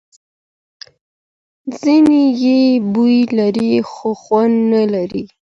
ځینې یې بوی لري خو خوند نه لري.